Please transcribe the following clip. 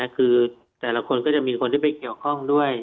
คือแต่ละคนก็จะมีคนที่ไปเกี่ยวข้องด้วย